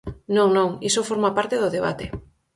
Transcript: Non, non, iso forma parte do debate.